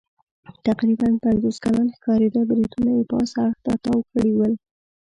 تقریباً پنځوس کلن ښکارېده، برېتونه یې پاس اړخ ته تاو کړي ول.